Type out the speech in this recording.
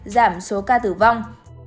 giảm số ca tử vong